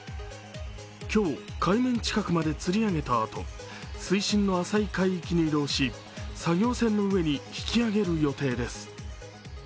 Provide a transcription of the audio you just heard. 今日、海面近くまでつり上げたあと水深の浅い海域に移動し、作業船の上に引き揚げる予定です。